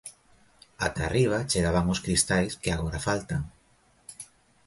Ata arriba chegaban os cristais que agora faltan.